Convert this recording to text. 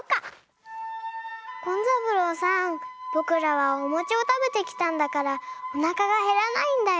紺三郎さんぼくらはおもちをたべてきたんだからおなかがへらないんだよ。